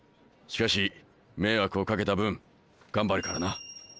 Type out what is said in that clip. しかし迷惑をかけた分頑張るからな。